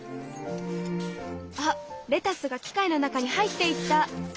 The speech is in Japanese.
あレタスが機械の中に入っていった！